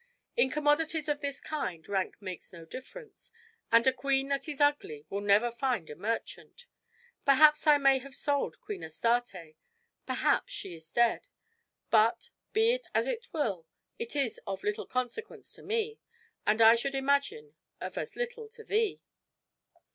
In commodities of this kind rank makes no difference, and a queen that is ugly will never find a merchant. Perhaps I may have sold Queen Astarte; perhaps she is dead; but, be it as it will, it is of little consequence to me, and I should imagine of as little to thee."